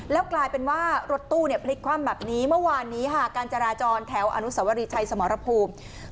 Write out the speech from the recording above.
แล้วกลายเป็นว่ารถตู้เนี่ยพลิกคว่ำแบบนี้เมื่อวานนี้ค่ะการจราจรแถวอนุสวรีชัยสมรภูมิ